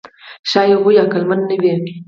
ښایي هغوی عقلمن نه وي.